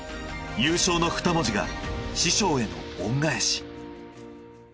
優勝の２文字が師匠への恩返し。